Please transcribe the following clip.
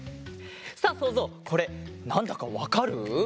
さあそうぞうこれなんだかわかる？